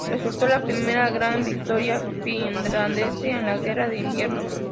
Resultó la primera gran victoria finlandesa en la Guerra de Invierno.